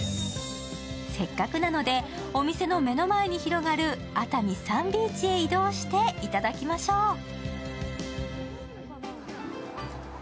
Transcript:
せっかくなので、お店の目の前にある熱海サンビーチに移動していただきましょう。